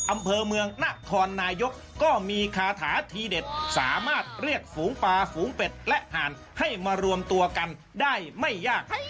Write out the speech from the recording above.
อำเภอเมืองนครนายกก็มีคาถาทีเด็ดสามารถเรียกฝูงปลาฝูงเป็ดและห่านให้มารวมตัวกันได้ไม่ยาก